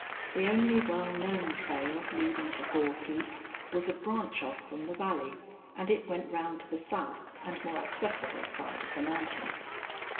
The only well known trail leading to Gore Peak was a branch off from the valley, and it went round to the south and more accessible side of the mountain.